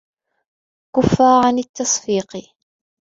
كفّ عن التصفيق.